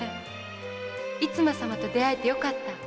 「逸馬様と出会えてよかった。